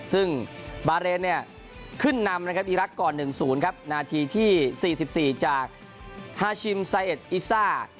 ซึ่งบาเรนเนี่ยขึ้นนำนะครับอีรักษ์ก่อน๑๐ครับนาทีที่๔๔จากฮาชิมไซเอ็ดอิซ่า